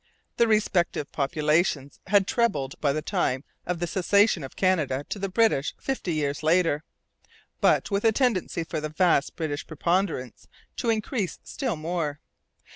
The respective populations had trebled by the time of the Cession of Canada to the British fifty years later, but with a tendency for the vast British preponderance to increase still more.